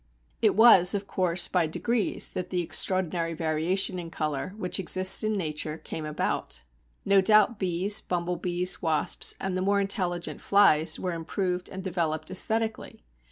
It was, of course, by degrees that the extraordinary variation in colour, which exists in nature, came about. No doubt bees, bumble bees, wasps, and the more intelligent flies were improved and developed æsthetically.